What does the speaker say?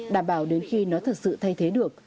đảm bảo đến khi nó thật sự thay thế được